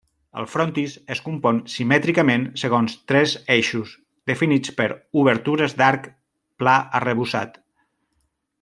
El frontis es compon simètricament segons tres eixos, definits per obertures d'arc pla arrebossat.